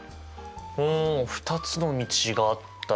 うん２つの道があったら。